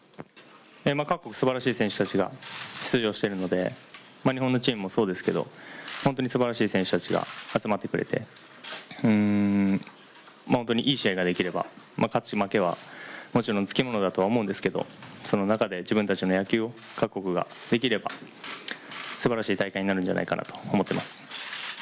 各国すばらしい選手たちが出場しているので日本のチームもそうですけど、本当にすばらしい選手たちが集まってくれて、本当にいい試合ができれば勝ち負けはもちろんつきものだとは思うんですがその中で自分たちの野球を各国ができればすばらしい大会になるんじゃないかなと思っています。